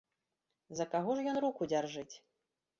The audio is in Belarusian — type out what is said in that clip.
За каго ж ён руку дзяржыць?